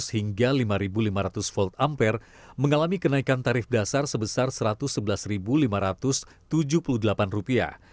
hingga lima lima ratus volt ampere mengalami kenaikan tarif dasar sebesar satu ratus sebelas lima ratus tujuh puluh delapan rupiah